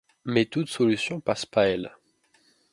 Mais toute solution passe pas elle.